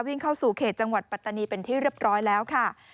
เข้าสู่เขตจังหวัดปัตตานีเป็นที่เรียบร้อยแล้วค่ะ